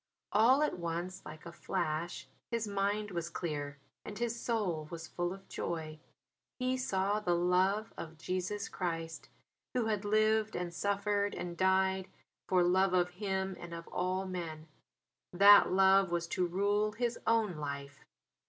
All at once like a flash his mind was clear, and his soul was full of joy. He saw the love of Jesus Christ Who had lived and suffered and died for love of him and of all men; that love was to rule his own life!